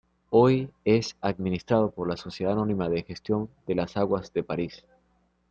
Hoy es administrado por la Sociedad anónima de gestión de las aguas de Paris.